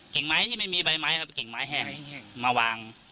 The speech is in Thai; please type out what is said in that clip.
เก่งไม้ที่ไม่มีใบไม้เอาไปเก่งไม้แห้งแห้งแห้งมาวาง